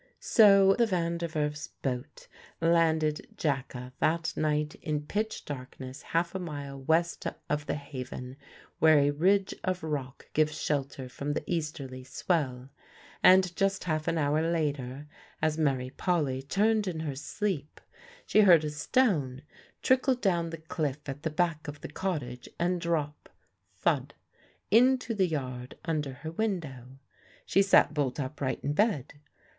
So the Van der Werf's boat landed Jacka that night in pitch darkness half a mile west of the haven, where a ridge of rock gives shelter from the easterly swell. And just half an hour later, as Mary Polly turned in her sleep, she heard a stone trickle down the cliff at the back of the cottage and drop thud! into the yard under her window. She sat bolt upright in bed.